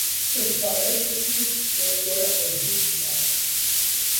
استاره جسمی است که دور خورشید میگردد.